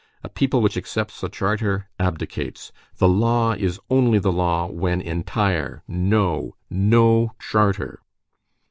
A people which accepts a charter abdicates. The law is only the law when entire. No! no charter!"